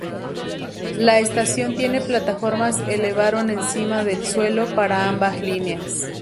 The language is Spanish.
La estación tiene plataformas elevaron encima del suelo para ambas líneas.